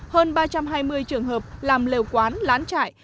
hơn ba trăm hai mươi trường hợp làm lều quán lán trại